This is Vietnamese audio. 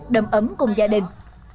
đầm ấm cùng gia đình